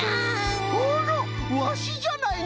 あらワシじゃないの！